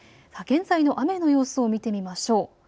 現在の雨の様子を見てみましょう。